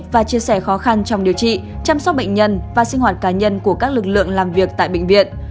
nguyễn văn nên nói đại dịch rất khó khăn trong điều trị chăm sóc bệnh nhân và sinh hoạt cá nhân của các lực lượng làm việc tại bệnh viện